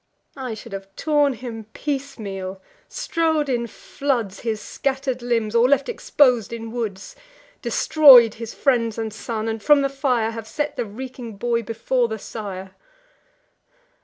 I should have torn him piecemeal; strow'd in floods His scatter'd limbs, or left expos'd in woods; Destroy'd his friends and son; and, from the fire, Have set the reeking boy before the sire.